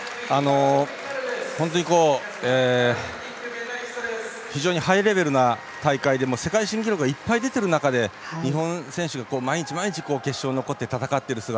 本当に非常にハイレベルな大会で世界新記録がいっぱい出てる中で日本選手が毎日、毎日決勝に残って戦っている姿。